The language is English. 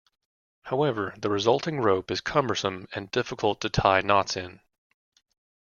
However, the resulting rope is cumbersome and difficult to tie knots in.